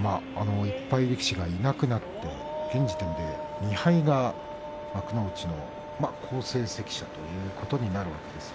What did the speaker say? １敗力士がいなくなって現時点で２敗が幕内の好成績者ということになっています。